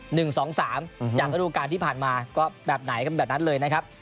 จากอรุณาการที่ผ่านมาก็แบบไหนก็เป็นแบบนั้นเลยนะครับ